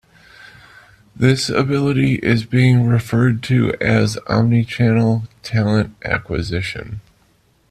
This ability is being referred to as Omnichannel Talent Acquisition.